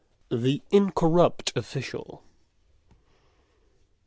THE INCORRUPT OFFICIAL.